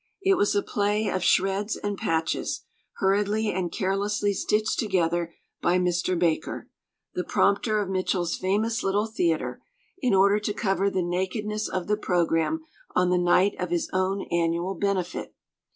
It was a play of shreds and patches, hurriedly and carelessly stitched together by Mr. Baker, the prompter of Mitchell's famous little theatre, in order to cover the nakedness of the programme on the night of his own annual benefit.